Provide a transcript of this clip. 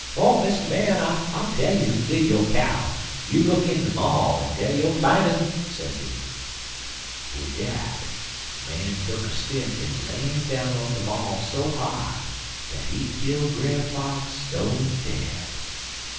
Oh, Mister Man! I'll tell you who kill yo' cow. You look in de maul, en dar you'll fine 'im,' sezee. "Wid dat de man tuck a stick and lam down on de maul so hard dat he kill Brer Fox stone dead.